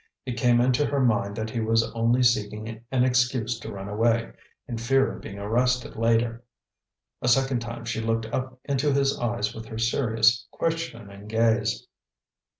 It came into her mind that he was only seeking an excuse to run away, in fear of being arrested later. A second time she looked up into his eyes with her serious, questioning gaze.